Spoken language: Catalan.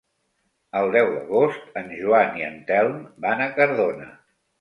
El deu d'agost en Joan i en Telm van a Cardona.